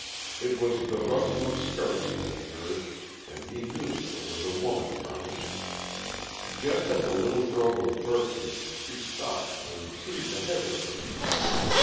It was the rustle of skirts that he heard, and he knew that it was a woman running. Just at the little grove of birches she stopped and seemed to hesitate.